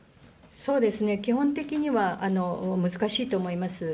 そうですね、基本的には、難しいと思います。